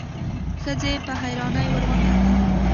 ښځې په حيرانی ورته وکتل.